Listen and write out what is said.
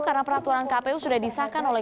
karena peraturan kpu sudah disahkan oleh